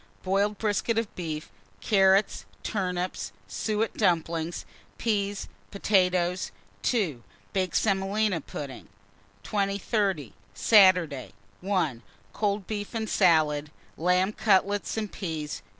Boiled brisket of beef, carrots, turnips, suet dumplings, peas, potatoes. 2. Baked semolina pudding. 2030. Saturday. 1. Cold beef and salad, lamb cutlets and peas.